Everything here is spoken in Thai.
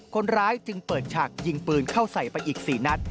คนร้ายจึงเปิดฉากยิงปืนเข้าใส่ไปอีก๔นัด